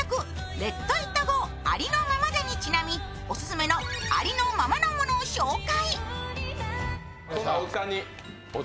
「ＬｅｔＩｔＧｏありのままで」にちなみオススメのありのままのものを紹介。